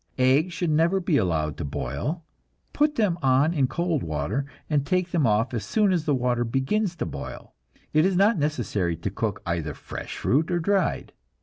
Eggs should never be allowed to boil; put them on in cold water, and take them off as soon as the water begins to boil. It is not necessary to cook either fresh fruit or dried.